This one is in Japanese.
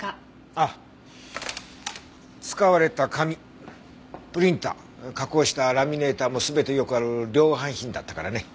ああ使われた紙プリンター加工したラミネーターも全てよくある量販品だったからね。